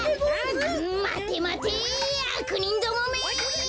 まてまてあくにんどもめ！